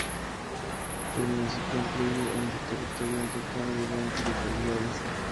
El municipio incluye en su territorio un total de veinte localidades.